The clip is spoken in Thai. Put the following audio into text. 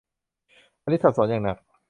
อลิซสับสนอย่างหนัก